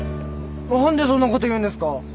何でそんなこと言うんですか！？